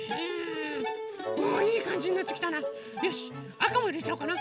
あかもいれちゃおうかな。